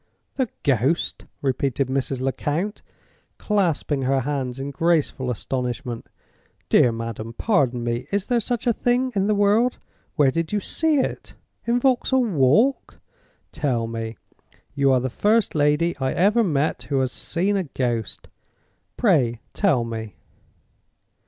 "The Ghost?" repeated Mrs. Lecount, clasping her hands in graceful astonishment. "Dear madam, pardon me! Is there such a thing in the world? Where did you see it? In Vauxhall Walk? Tell me—you are the first lady I ever met with who has seen a ghost—pray tell me!"